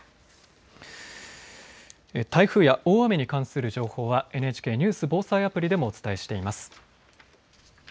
台風や大雨に関する情報はＮＨＫニュース・防災アプリでもお伝えしています。